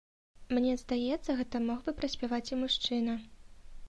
Мне здаецца, гэта мог бы праспяваць і мужчына.